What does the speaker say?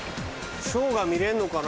ショーが見れんのかな？